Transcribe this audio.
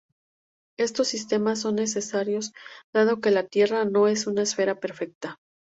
Estos sistemas son necesarios dado que la Tierra no es una esfera perfecta.